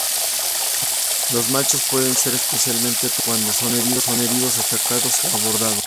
Los machos pueden ser especialmente peligrosos cuando son heridos, atacados o abordados.